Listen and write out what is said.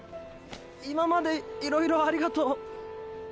今までいろいろありがとう。